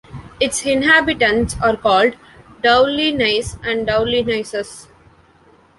Its inhabitants are called Doullennais and Doullennaises.